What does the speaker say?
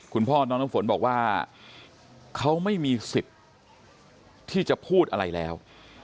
คุณพ่อน้องน้ำฝนบอกว่าเขาไม่มีสิทธิ์ที่จะพูดอะไรแล้ว